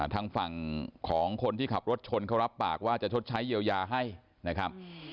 ทางฝั่งของคนที่ขับรถชนเขารับปากว่าจะชดใช้เยียวยาให้นะครับ